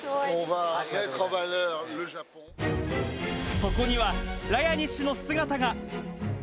そこにはラヤニ氏の姿が。